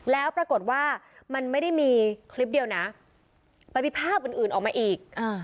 แล้วปรากฏว่ามันไม่ได้มีคลิปเดียวนะมันมีภาพอื่นออกมาอีก